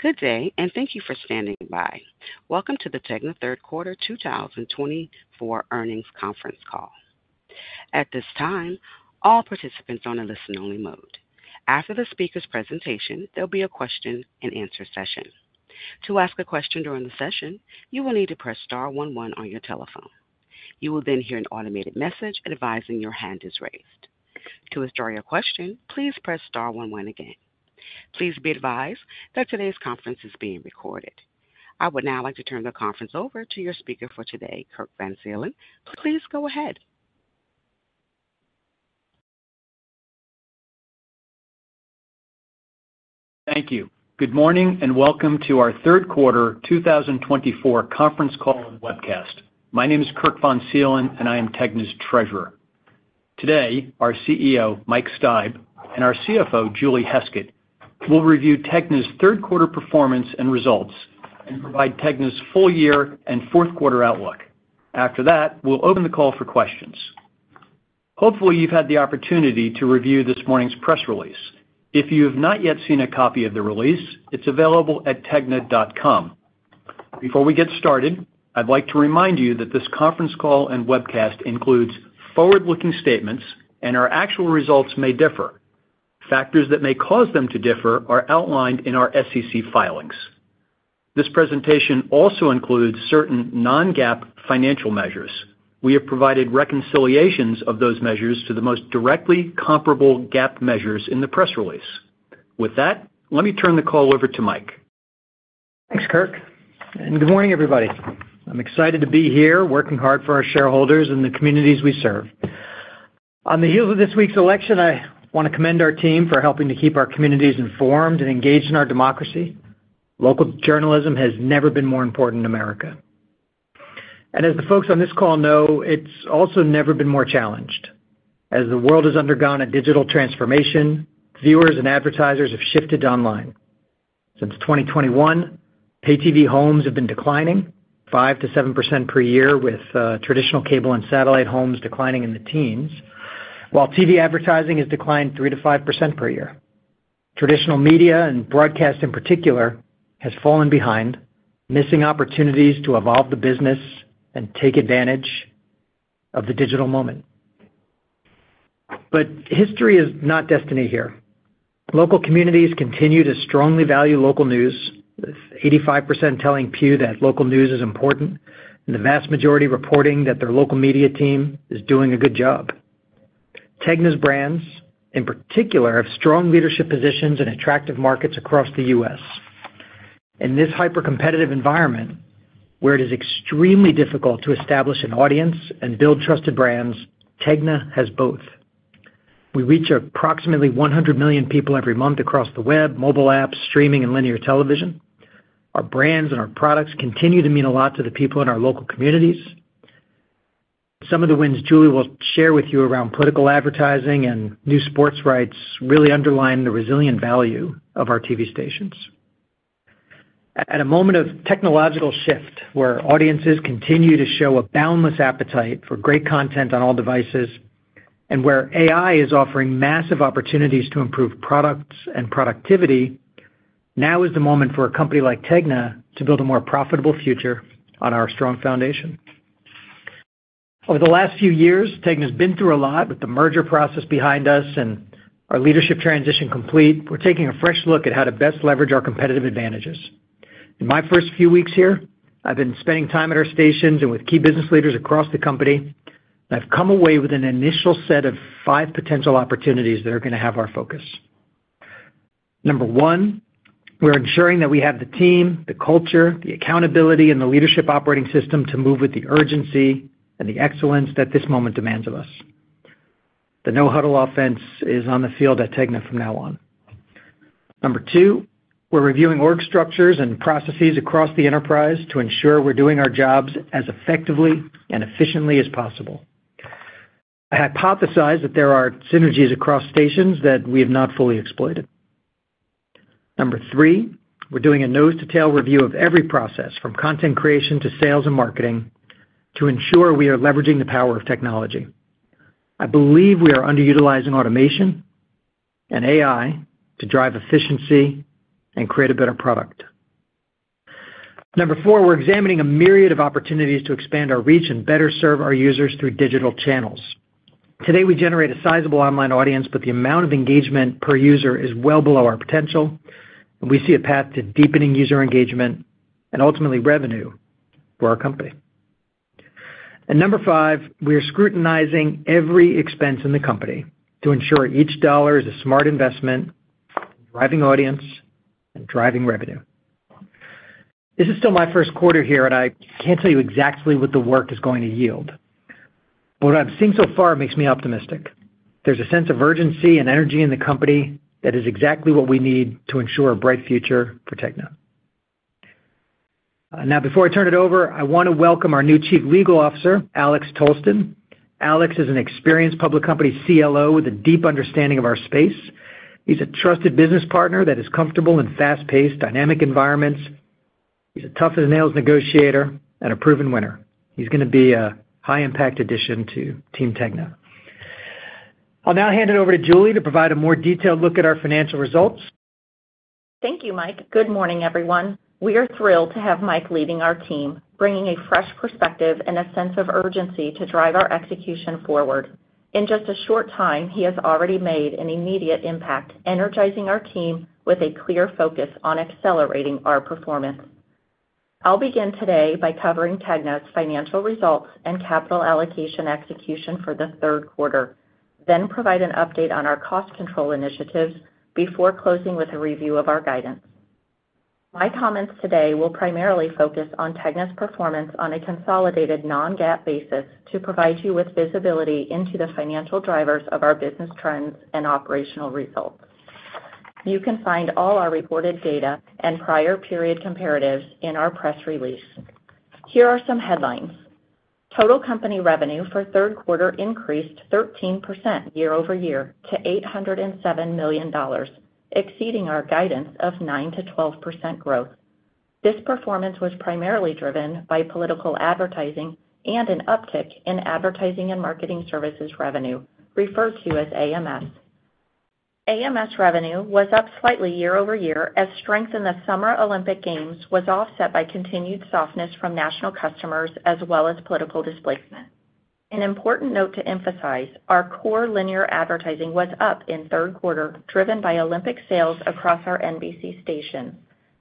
Good day, and thank you for standing by. Welcome to the TEGNA Third Quarter 2024 Earnings Conference Call. At this time, all participants are in a listen-only mode. After the speaker's presentation, there'll be a question-and-answer session. To ask a question during the session, you will need to press star one one on your telephone. You will then hear an automated message advising your hand is raised. To withdraw your question, please press star one one again. Please be advised that today's conference is being recorded. I would now like to turn the conference over to your speaker for today, Kirk von Seelen. Please go ahead. Thank you. Good morning and Welcome to our Third Quarter 2024 Conference Call and Webcast. My name is Kirk von Seelen, and I am TEGNA's treasurer. Today, our CEO, Mike Steib, and our CFO, Julie Heskett, will review TEGNA's third quarter performance and results and provide TEGNA's full year and fourth quarter outlook. After that, we'll open the call for questions. Hopefully, you've had the opportunity to review this morning's press release. If you have not yet seen a copy of the release, it's available at tegna.com. Before we get started, I'd like to remind you that this conference call and webcast includes forward-looking statements, and our actual results may differ. Factors that may cause them to differ are outlined in our SEC filings. This presentation also includes certain non-GAAP financial measures. We have provided reconciliations of those measures to the most directly comparable GAAP measures in the press release. With that, let me turn the call over to Mike. Thanks, Kirk. And good morning, everybody. I'm excited to be here working hard for our shareholders and the communities we serve. On the heels of this week's election, I want to commend our team for helping to keep our communities informed and engaged in our democracy. Local journalism has never been more important in America. And as the folks on this call know, it's also never been more challenged. As the world has undergone a digital transformation, viewers and advertisers have shifted online. Since 2021, pay TV homes have been declining 5%-7% per year, with traditional cable and satellite homes declining in the teens, while TV advertising has declined 3%-5% per year. Traditional media and broadcast in particular has fallen behind, missing opportunities to evolve the business and take advantage of the digital moment, but history is not destiny here. Local communities continue to strongly value local news, with 85% telling Pew that local news is important, and the vast majority reporting that their local media team is doing a good job. TEGNA's brands, in particular, have strong leadership positions in attractive markets across the U.S. In this hyper-competitive environment, where it is extremely difficult to establish an audience and build trusted brands, TEGNA has both. We reach approximately 100 million people every month across the web, mobile apps, streaming, and linear television. Our brands and our products continue to mean a lot to the people in our local communities. Some of the wins Julie will share with you around political advertising and new sports rights really underline the resilient value of our TV stations. At a moment of technological shift, where audiences continue to show a boundless appetite for great content on all devices, and where AI is offering massive opportunities to improve products and productivity, now is the moment for a company like TEGNA to build a more profitable future on our strong foundation. Over the last few years, TEGNA has been through a lot. With the merger process behind us and our leadership transition complete, we're taking a fresh look at how to best leverage our competitive advantages. In my first few weeks here, I've been spending time at our stations and with key business leaders across the company. I've come away with an initial set of five potential opportunities that are going to have our focus. Number one, we're ensuring that we have the team, the culture, the accountability, and the leadership operating system to move with the urgency and the excellence that this moment demands of us. The no-huddle offense is on the field at TEGNA from now on. Number two, we're reviewing org structures and processes across the enterprise to ensure we're doing our jobs as effectively and efficiently as possible. I hypothesize that there are synergies across stations that we have not fully exploited. Number three, we're doing a nose-to-tail review of every process, from content creation to sales and marketing, to ensure we are leveraging the power of technology. I believe we are underutilizing automation and AI to drive efficiency and create a better product. Number four, we're examining a myriad of opportunities to expand our reach and better serve our users through digital channels. Today, we generate a sizable online audience, but the amount of engagement per user is well below our potential, and we see a path to deepening user engagement and ultimately revenue for our company, and number five, we are scrutinizing every expense in the company to ensure each dollar is a smart investment, driving audience, and driving revenue. This is still my first quarter here, and I can't tell you exactly what the work is going to yield, but what I've seen so far makes me optimistic. There's a sense of urgency and energy in the company that is exactly what we need to ensure a bright future for TEGNA. Now, before I turn it over, I want to welcome our new Chief Legal Officer, Alex Tolston. Alex is an experienced public company CFO with a deep understanding of our space. He's a trusted business partner that is comfortable in fast-paced, dynamic environments. He's a tough-as-nails negotiator and a proven winner. He's going to be a high-impact addition to Team TEGNA. I'll now hand it over to Julie to provide a more detailed look at our financial results. Thank you, Mike. Good morning, everyone. We are thrilled to have Mike leading our team, bringing a fresh perspective and a sense of urgency to drive our execution forward. In just a short time, he has already made an immediate impact, energizing our team with a clear focus on accelerating our performance. I'll begin today by covering TEGNA's financial results and capital allocation execution for the third quarter, then provide an update on our cost control initiatives before closing with a review of our guidance. My comments today will primarily focus on TEGNA's performance on a consolidated non-GAAP basis to provide you with visibility into the financial drivers of our business trends and operational results. You can find all our reported data and prior period comparatives in our press release. Here are some headlines. Total company revenue for third quarter increased 13% year-over-year to $807 million, exceeding our guidance of 9%-12% growth. This performance was primarily driven by political advertising and an uptick in advertising and marketing services revenue, referred to as AMS. AMS revenue was up slightly year-over-year as strength in the Summer Olympic Games was offset by continued softness from national customers as well as political displacement. An important note to emphasize: our core linear advertising was up in third quarter, driven by Olympic sales across our NBC stations.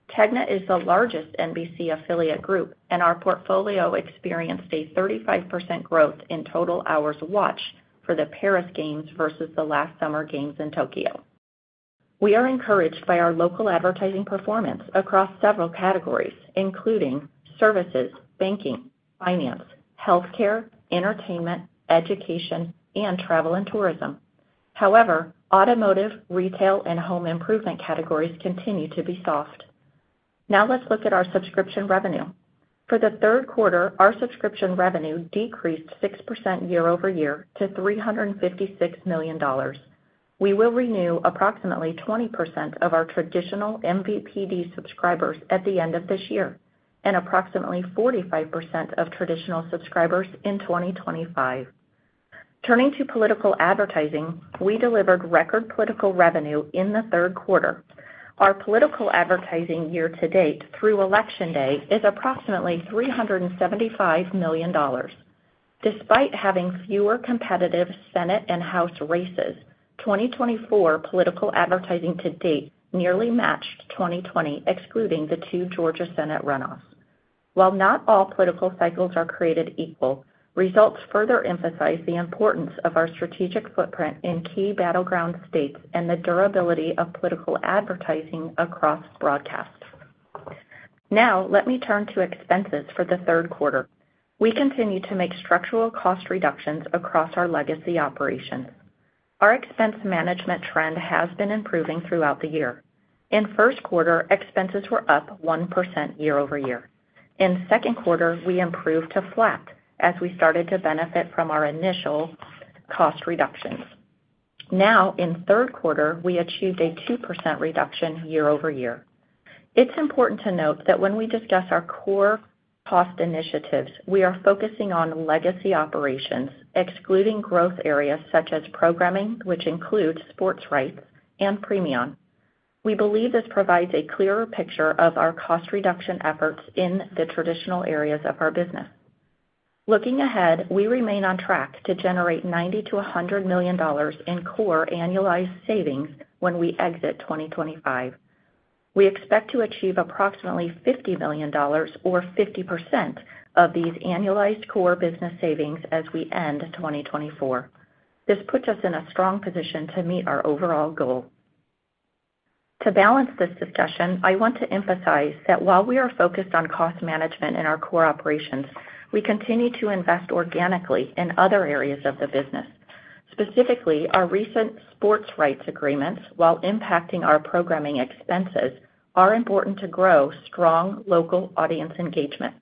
TEGNA is the largest NBC affiliate group, and our portfolio experienced a 35% growth in total hours watched for the Paris Games versus the last summer Games in Tokyo. We are encouraged by our local advertising performance across several categories, including services, banking, finance, healthcare, entertainment, education, and travel and tourism. However, automotive, retail, and home improvement categories continue to be soft. Now let's look at our subscription revenue. For the third quarter, our subscription revenue decreased 6% year-over-year to $356 million. We will renew approximately 20% of our traditional MVPD subscribers at the end of this year and approximately 45% of traditional subscribers in 2025. Turning to political advertising, we delivered record political revenue in the third quarter. Our political advertising year to date through Election Day is approximately $375 million. Despite having fewer competitive Senate and House races, 2024 political advertising to date nearly matched 2020, excluding the two Georgia Senate runoffs. While not all political cycles are created equal, results further emphasize the importance of our strategic footprint in key battleground states and the durability of political advertising across broadcasts. Now let me turn to expenses for the third quarter. We continue to make structural cost reductions across our legacy operations. Our expense management trend has been improving throughout the year. In first quarter, expenses were up 1% year-over-year. In second quarter, we improved to flat as we started to benefit from our initial cost reductions. Now, in third quarter, we achieved a 2% reduction year-over-year. It's important to note that when we discuss our core cost initiatives, we are focusing on legacy operations, excluding growth areas such as programming, which includes sports rights and premium. We believe this provides a clearer picture of our cost reduction efforts in the traditional areas of our business. Looking ahead, we remain on track to generate $90-$100 million in core annualized savings when we exit 2025. We expect to achieve approximately $50 million or 50% of these annualized core business savings as we end 2024. This puts us in a strong position to meet our overall goal. To balance this discussion, I want to emphasize that while we are focused on cost management in our core operations, we continue to invest organically in other areas of the business. Specifically, our recent sports rights agreements, while impacting our programming expenses, are important to grow strong local audience engagement.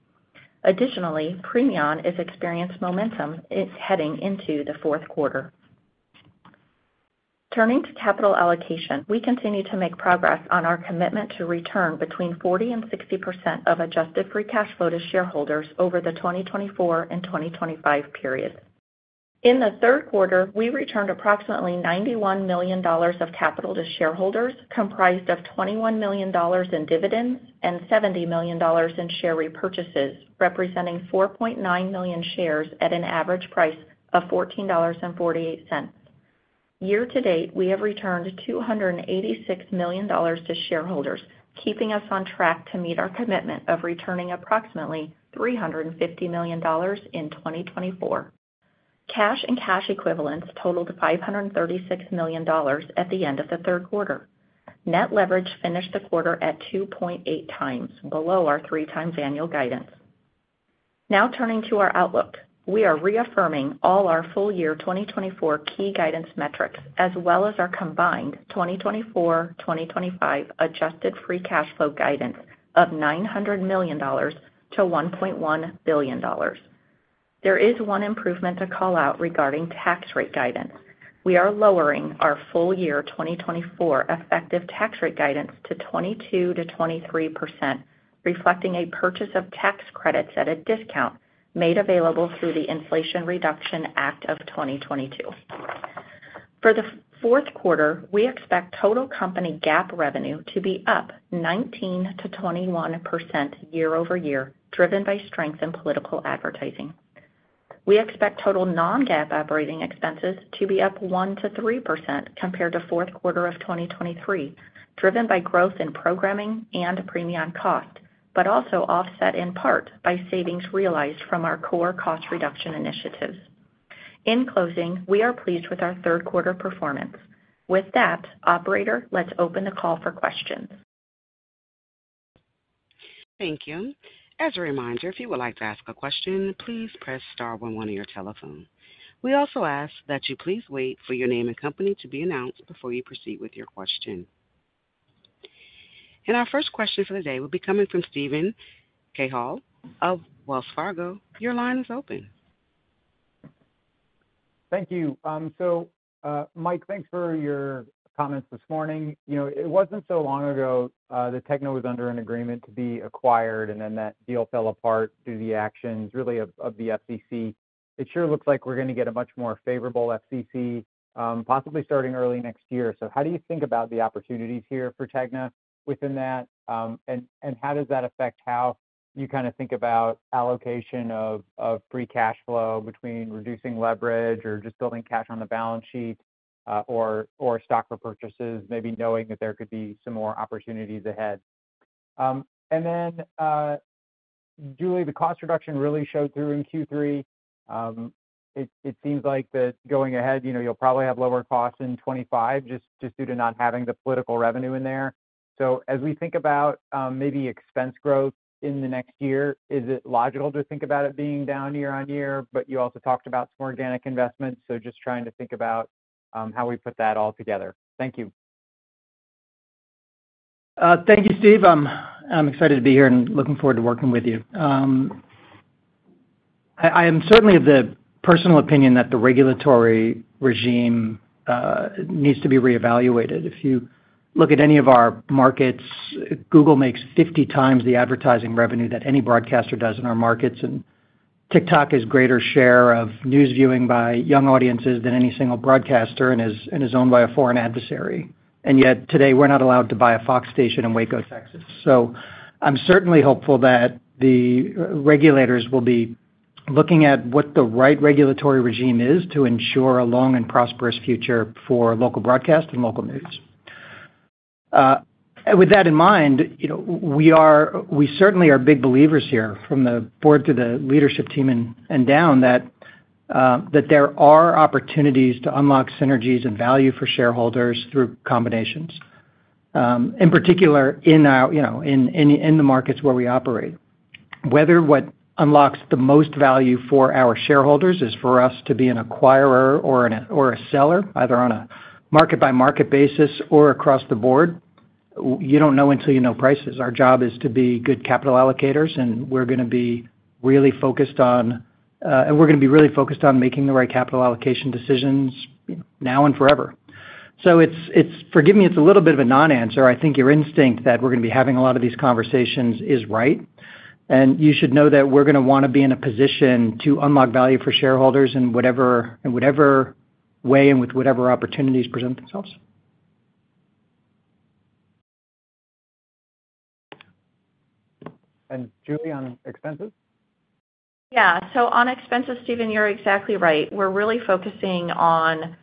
Additionally, Premion is experiencing momentum heading into the fourth quarter. Turning to capital allocation, we continue to make progress on our commitment to return between 40% and 60% of adjusted free cash flow to shareholders over the 2024 and 2025 period. In the third quarter, we returned approximately $91 million of capital to shareholders, comprised of $21 million in dividends and $70 million in share repurchases, representing 4.9 million shares at an average price of $14.48. Year to date, we have returned $286 million to shareholders, keeping us on track to meet our commitment of returning approximately $350 million in 2024. Cash and cash equivalents totaled $536 million at the end of the third quarter. Net leverage finished the quarter at 2.8x below our 3x annual guidance. Now turning to our outlook, we are reaffirming all our full year 2024 key guidance metrics, as well as our combined 2024-2025 Adjusted Free Cash Flow guidance of $900 million-$1.1 billion. There is one improvement to call out regarding tax rate guidance. We are lowering our full year 2024 effective tax rate guidance to 22%-23%, reflecting a purchase of tax credits at a discount made available through the Inflation Reduction Act of 2022. For the fourth quarter, we expect total company GAAP revenue to be up 19%-21% year-over-year, driven by strength in political advertising. We expect total non-GAAP operating expenses to be up 1%-3% compared to fourth quarter of 2023, driven by growth in programming and Premion cost, but also offset in part by savings realized from our core cost reduction initiatives. In closing, we are pleased with our third quarter performance. With that, Operator, let's open the call for questions. Thank you. As a reminder, if you would like to ask a question, please press star, then one on your telephone. We also ask that you please wait for your name and company to be announced before you proceed with your question. Our first question for the day will be coming from Steven Cahall of Wells Fargo. Your line is open. Thank you. So, Mike, thanks for your comments this morning. It wasn't so long ago that TEGNA was under an agreement to be acquired, and then that deal fell apart due to the actions really of the FCC. It sure looks like we're going to get a much more favorable FCC, possibly starting early next year. So how do you think about the opportunities here for TEGNA within that? And how does that affect how you kind of think about allocation of free cash flow between reducing leverage or just building cash on the balance sheet or stock for purchases, maybe knowing that there could be some more opportunities ahead? And then, Julie, the cost reduction really showed through in Q3. It seems like that going ahead, you'll probably have lower costs in 2025 just due to not having the political revenue in there. So as we think about maybe expense growth in the next year, is it logical to think about it being down year on year? But you also talked about some organic investments, so just trying to think about how we put that all together. Thank you. Thank you, Steve. I'm excited to be here and looking forward to working with you. I am certainly of the personal opinion that the regulatory regime needs to be reevaluated. If you look at any of our markets, Google makes 50 times the advertising revenue that any broadcaster does in our markets. And TikTok has a greater share of news viewing by young audiences than any single broadcaster and is owned by a foreign adversary. And yet today, we're not allowed to buy a Fox station in Waco, Texas. So I'm certainly hopeful that the regulators will be looking at what the right regulatory regime is to ensure a long and prosperous future for local broadcast and local news. With that in mind, we certainly are big believers here, from the board to the leadership team and down, that there are opportunities to unlock synergies and value for shareholders through combinations, in particular in the markets where we operate. Whether what unlocks the most value for our shareholders is for us to be an acquirer or a seller, either on a market-by-market basis or across the board, you don't know until you know prices. Our job is to be good capital allocators, and we're going to be really focused on making the right capital allocation decisions now and forever, so forgive me, it's a little bit of a non-answer. I think your instinct that we're going to be having a lot of these conversations is right. You should know that we're going to want to be in a position to unlock value for shareholders in whatever way and with whatever opportunities present themselves. And Julie on expenses? Yeah. So on expenses, Steven, you're exactly right. We're really focusing on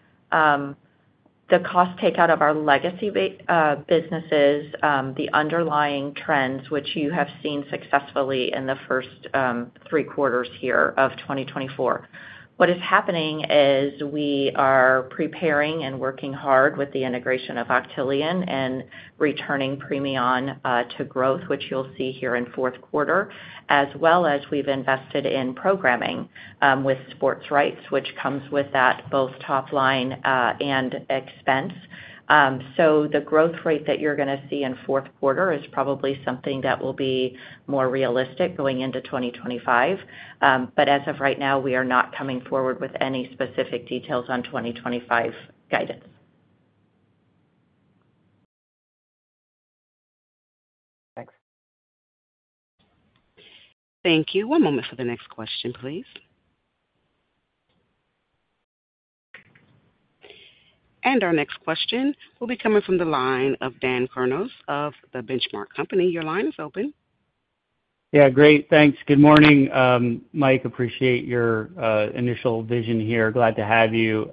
the cost takeout of our legacy businesses, the underlying trends which you have seen successfully in the first three quarters here of 2024. What is happening is we are preparing and working hard with the integration of Octillion and returning Premion to growth, which you'll see here in fourth quarter, as well as we've invested in programming with sports rights, which comes with that both top line and expense. So the growth rate that you're going to see in fourth quarter is probably something that will be more realistic going into 2025. But as of right now, we are not coming forward with any specific details on 2025 guidance. Thanks. Thank you. One moment for the next question, please. And our next question will be coming from the line of Dan Kurnos of The Benchmark Company. Your line is open. Yeah. Great. Thanks. Good morning, Mike. Appreciate your initial vision here. Glad to have you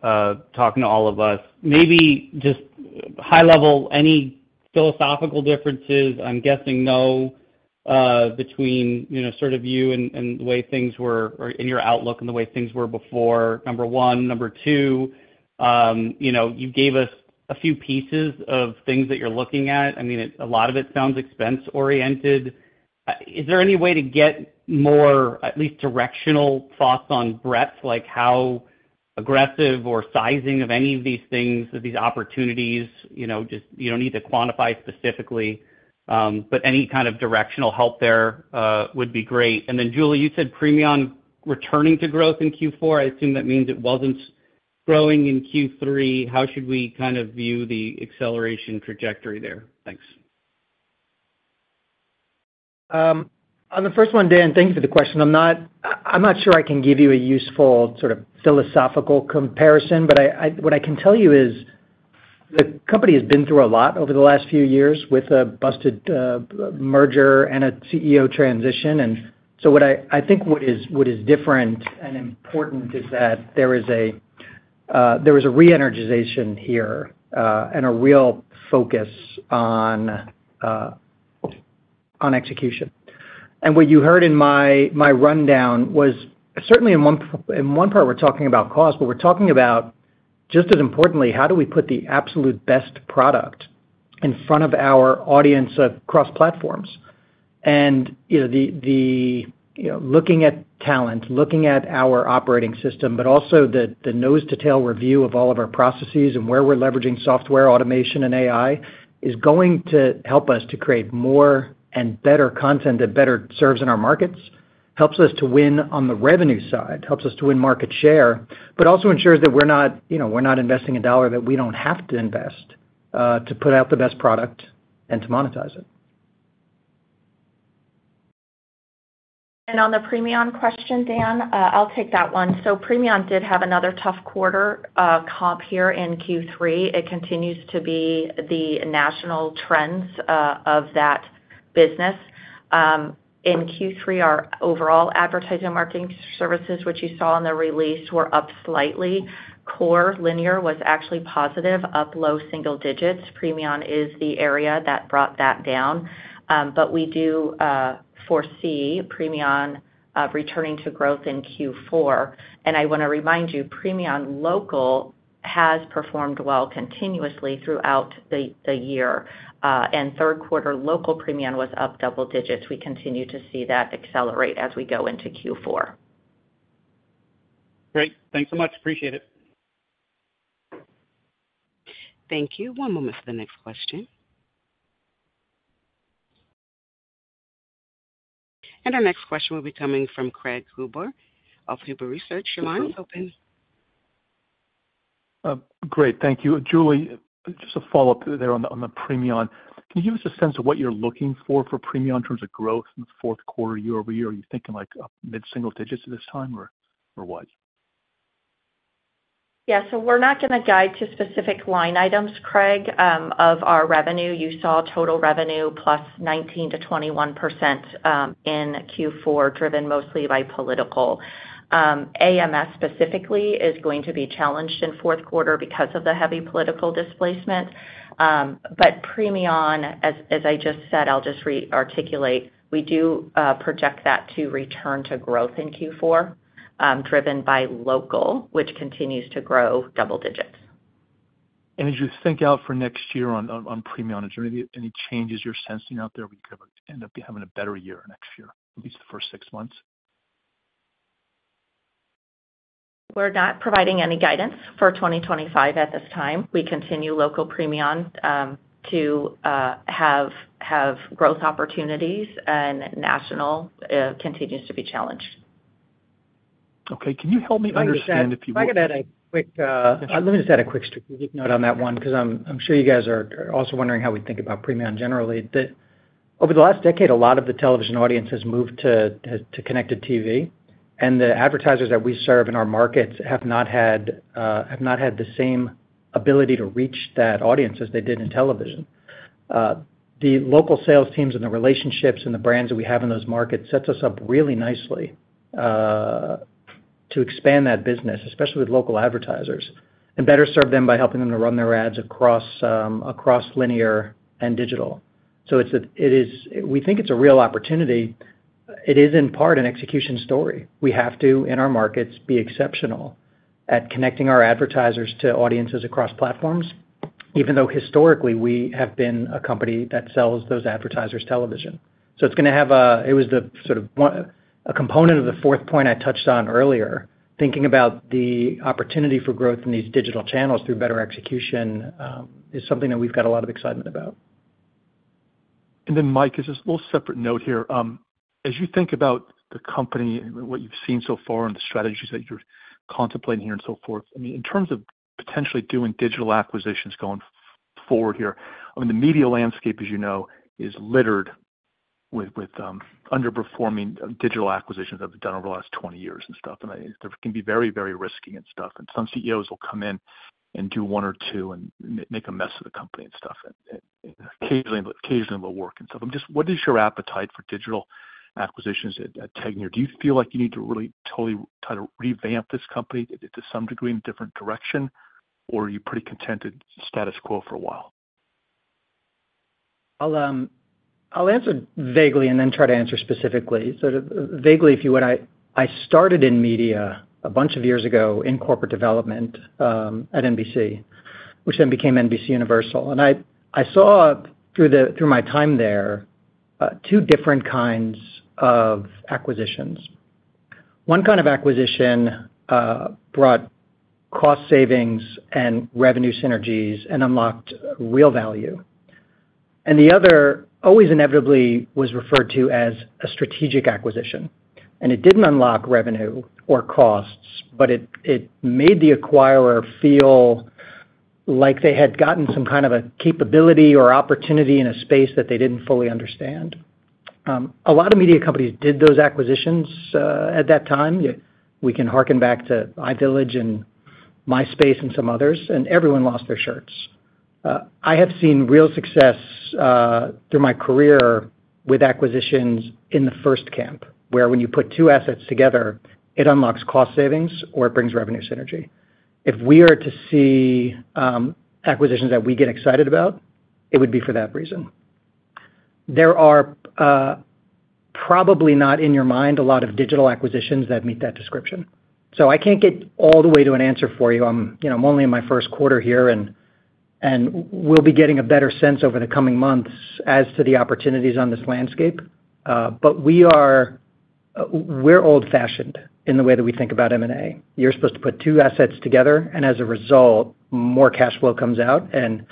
talking to all of us. Maybe just high level, any philosophical differences? I'm guessing no between sort of you and the way things were in your outlook and the way things were before. Number one. Number two, you gave us a few pieces of things that you're looking at. I mean, a lot of it sounds expense-oriented. Is there any way to get more at least directional thoughts on breadth, like how aggressive or sizing of any of these things, of these opportunities? You don't need to quantify specifically, but any kind of directional help there would be great. And then, Julie, you said Premion returning to growth in Q4. I assume that means it wasn't growing in Q3. How should we kind of view the acceleration trajectory there? Thanks. On the first one, Dan, thank you for the question. I'm not sure I can give you a useful sort of philosophical comparison, but what I can tell you is the company has been through a lot over the last few years with a busted merger and a CEO transition. And so I think what is different and important is that there is a re-energization here and a real focus on execution. And what you heard in my rundown was certainly in one part we're talking about cost, but we're talking about just as importantly, how do we put the absolute best product in front of our audience across platforms? Looking at talent, looking at our operating system, but also the nose-to-tail review of all of our processes and where we're leveraging software, automation, and AI is going to help us to create more and better content that better serves in our markets, helps us to win on the revenue side, helps us to win market share, but also ensures that we're not investing a dollar that we don't have to invest to put out the best product and to monetize it. On the Premion question, Dan, I'll take that one. Premion did have another tough quarter comp here in Q3. It continues to be the national trends of that business. In Q3, our overall advertising marketing services, which you saw in the release, were up slightly. Core linear was actually positive, up low single digits. Premion is the area that brought that down. But we do foresee Premion returning to growth in Q4. I want to remind you, Premion local has performed well continuously throughout the year. Third quarter, local Premion was up double digits. We continue to see that accelerate as we go into Q4. Great. Thanks so much. Appreciate it. Thank you. One moment for the next question. And our next question will be coming from Craig Huber of Huber Research. Your line is open. Great. Thank you. Julie, just a follow-up there on the Premion. Can you give us a sense of what you're looking for for Premion in terms of growth in the fourth quarter year-over-year? Are you thinking like mid-single digits at this time or what? Yeah. So we're not going to guide to specific line items, Craig. Of our revenue, you saw total revenue +19%-21% in Q4 driven mostly by political. AMS specifically is going to be challenged in fourth quarter because of the heavy political displacement. But Premion, as I just said, I'll just rearticulate, we do project that to return to growth in Q4 driven by local, which continues to grow double digits. As you think out for next year on Premion, is there any changes you're sensing out there where you could end up having a better year next year, at least the first six months? We're not providing any guidance for 2025 at this time. We continue local Premion to have growth opportunities, and national continues to be challenged. Okay. Can you help me understand if you would? Let me just add a quick strategic note on that one because I'm sure you guys are also wondering how we think about Premion generally. Over the last decade, a lot of the television audience has moved to Connected TV, and the advertisers that we serve in our markets have not had the same ability to reach that audience as they did in television. The local sales teams and the relationships and the brands that we have in those markets set us up really nicely to expand that business, especially with local advertisers, and better serve them by helping them to run their ads across linear and digital, so we think it's a real opportunity. It is in part an execution story. We have to, in our markets, be exceptional at connecting our advertisers to audiences across platforms, even though historically we have been a company that sells those advertisers television. So it was sort of a component of the fourth point I touched on earlier. Thinking about the opportunity for growth in these digital channels through better execution is something that we've got a lot of excitement about. And then, Mike, just a little separate note here. As you think about the company, what you've seen so far and the strategies that you're contemplating here and so forth, I mean, in terms of potentially doing digital acquisitions going forward here, I mean, the media landscape, as you know, is littered with underperforming digital acquisitions that they've done over the last 20 years and stuff. And there can be very, very risky and stuff. And some CEOs will come in and do one or two and make a mess of the company and stuff. Occasionally, it will work and stuff. I'm just. What is your appetite for digital acquisitions at TEGNA? Do you feel like you need to really totally try to revamp this company to some degree in a different direction, or are you pretty content to status quo for a while? I'll answer vaguely and then try to answer specifically. Sort of vaguely, if you would, I started in media a bunch of years ago in corporate development at NBC, which then became NBCUniversal, and I saw through my time there two different kinds of acquisitions. One kind of acquisition brought cost savings and revenue synergies and unlocked real value, and the other always inevitably was referred to as a strategic acquisition, and it didn't unlock revenue or costs, but it made the acquirer feel like they had gotten some kind of a capability or opportunity in a space that they didn't fully understand. A lot of media companies did those acquisitions at that time. We can hearken back to iVillage and MySpace and some others, and everyone lost their shirts. I have seen real success through my career with acquisitions in the first camp, where when you put two assets together, it unlocks cost savings or it brings revenue synergy. If we are to see acquisitions that we get excited about, it would be for that reason. There are probably not in your mind a lot of digital acquisitions that meet that description. So I can't get all the way to an answer for you. I'm only in my first quarter here, and we'll be getting a better sense over the coming months as to the opportunities on this landscape. But we're old-fashioned in the way that we think about M&A. You're supposed to put two assets together, and as a result, more cash flow comes out and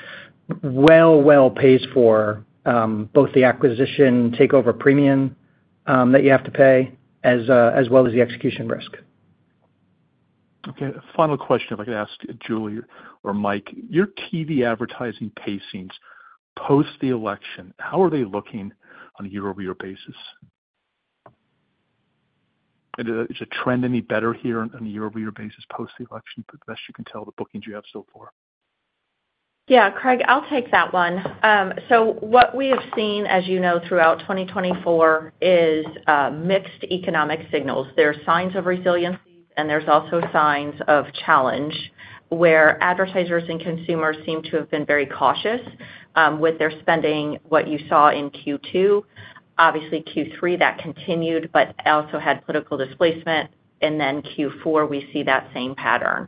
well pays for both the acquisition takeover premium that you have to pay as well as the execution risk. Okay. Final question I'd like to ask Julie or Mike. Your TV advertising pacings post the election, how are they looking on a year-over-year basis, and is the trend any better here on a year-over-year basis post the election for the best you can tell the bookings you have so far? Yeah. Craig, I'll take that one. So what we have seen, as you know, throughout 2024 is mixed economic signals. There are signs of resiliency, and there's also signs of challenge where advertisers and consumers seem to have been very cautious with their spending, what you saw in Q2. Obviously, Q3 that continued, but also had political displacement, and then Q4, we see that same pattern.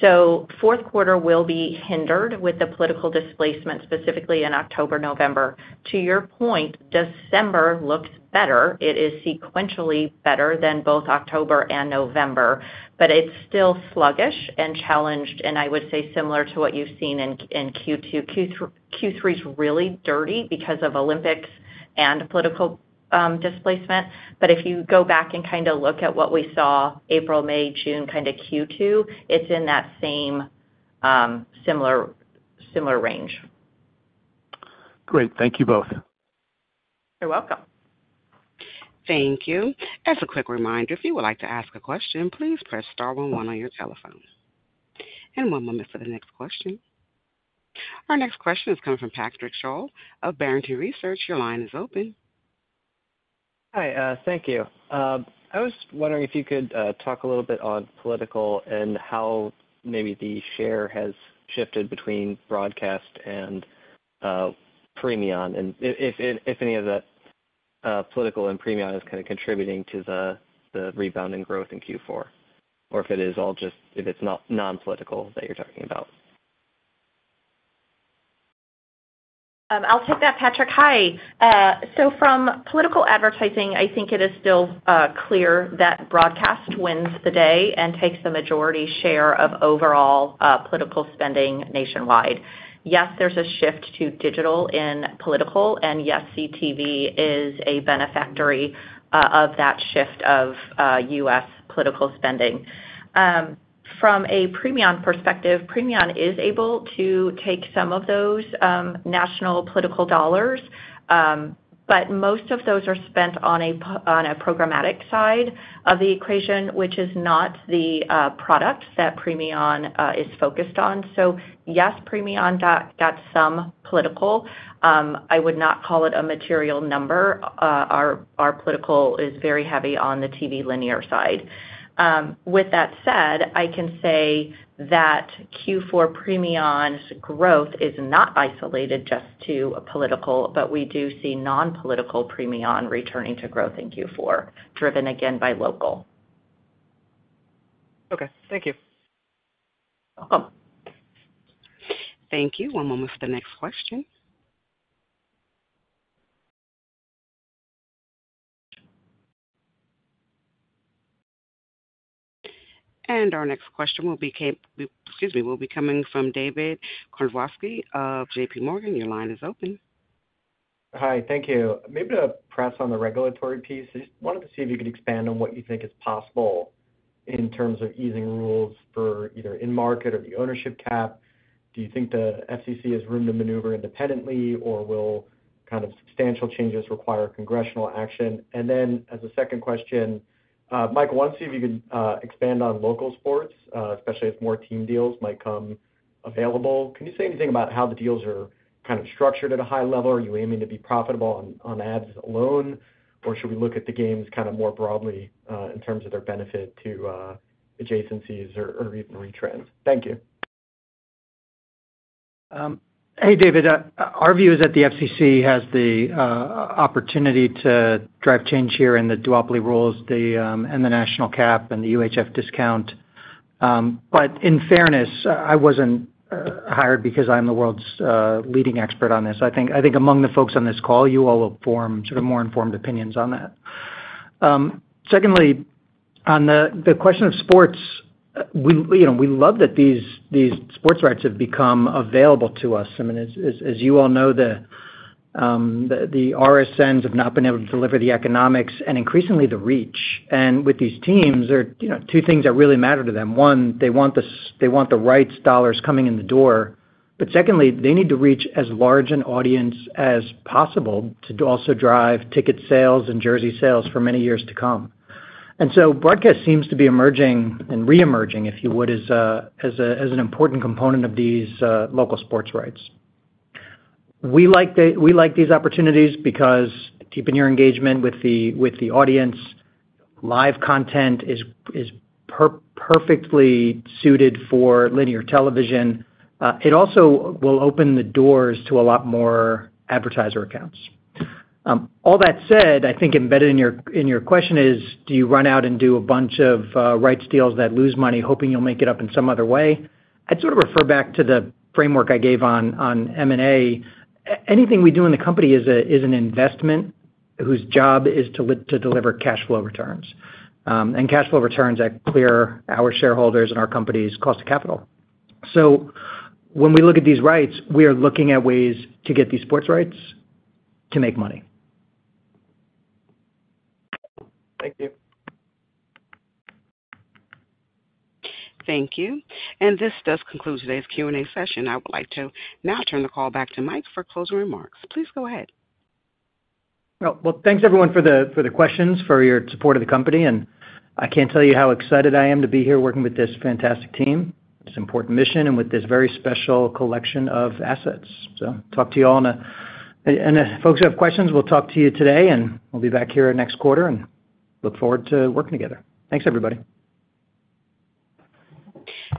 So fourth quarter will be hindered with the political displacement specifically in October, November. To your point, December looks better. It is sequentially better than both October and November, but it's still sluggish and challenged, and I would say similar to what you've seen in Q2. Q3 is really dirty because of Olympics and political displacement. But if you go back and kind of look at what we saw April, May, June, kind of Q2, it's in that same similar range. Great. Thank you both. You're welcome. Thank you. As a quick reminder, if you would like to ask a question, please press star 11 on your telephone. One moment for the next question. Our next question is coming from Patrick Sholl of Barrington Research. Your line is open. Hi. Thank you. I was wondering if you could talk a little bit on political and how maybe the share has shifted between broadcast and Premion and if any of the political and Premion is kind of contributing to the rebound and growth in Q4, or if it is all just non-political that you're talking about. I'll take that, Patrick. Hi. So from political advertising, I think it is still clear that broadcast wins the day and takes the majority share of overall political spending nationwide. Yes, there's a shift to digital in political, and yes, CTV is a benefactor of that shift of U.S. political spending. From a Premion perspective, Premion is able to take some of those national political dollars, but most of those are spent on a programmatic side of the equation, which is not the product that Premion is focused on. So yes, Premion got some political. I would not call it a material number. Our political is very heavy on the TV linear side. With that said, I can say that Q4 Premion growth is not isolated just to political, but we do see non-political Premion returning to growth in Q4, driven again by local. Okay. Thank you. You're welcome. Thank you. One moment for the next question, and our next question will be, excuse me, will be coming from David Karnovsky of J.P. Morgan. Your line is open. Hi. Thank you. Maybe to press on the regulatory piece, I just wanted to see if you could expand on what you think is possible in terms of easing rules for either in-market or the ownership cap. Do you think the FCC has room to maneuver independently, or will kind of substantial changes require congressional action? And then as a second question, Mike, I wanted to see if you could expand on local sports, especially if more team deals might come available. Can you say anything about how the deals are kind of structured at a high level? Are you aiming to be profitable on ads alone, or should we look at the games kind of more broadly in terms of their benefit to adjacencies or even retrans? Thank you. Hey, David. Our view is that the FCC has the opportunity to drive change here in the duopoly rules and the national cap and the UHF discount. But in fairness, I wasn't hired because I'm the world's leading expert on this. I think among the folks on this call, you all will form sort of more informed opinions on that. Secondly, on the question of sports, we love that these sports rights have become available to us. I mean, as you all know, the RSNs have not been able to deliver the economics and increasingly the reach. And with these teams, there are two things that really matter to them. One, they want the rights dollars coming in the door. But secondly, they need to reach as large an audience as possible to also drive ticket sales and jersey sales for many years to come. And so broadcast seems to be emerging and reemerging, if you would, as an important component of these local sports rights. We like these opportunities because keeping your engagement with the audience, live content is perfectly suited for linear television. It also will open the doors to a lot more advertiser accounts. All that said, I think embedded in your question is, do you run out and do a bunch of rights deals that lose money hoping you'll make it up in some other way? I'd sort of refer back to the framework I gave on M&A. Anything we do in the company is an investment whose job is to deliver cash flow returns. And cash flow returns that clear our shareholders and our company's cost of capital. So when we look at these rights, we are looking at ways to get these sports rights to make money. Thank you. Thank you. And this does conclude today's Q&A session. I would like to now turn the call back to Mike for closing remarks. Please go ahead. Thanks everyone for the questions, for your support of the company. I can't tell you how excited I am to be here working with this fantastic team, this important mission, and with this very special collection of assets. Talk to you all. If folks have questions, we'll talk to you today, and we'll be back here next quarter and look forward to working together. Thanks, everybody.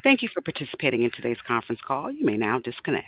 Thank you for participating in today's conference call. You may now disconnect.